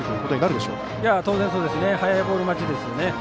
当然そうですね。